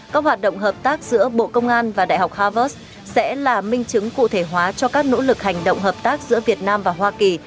các hoạt động hợp tác giữa bộ công an và đại học harvard sẽ là minh chứng cụ thể hóa cho các nỗ lực hành động hợp tác giữa việt nam và hoa kỳ